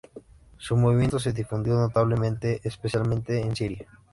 Su movimiento se difundió notablemente, especialmente en Siria.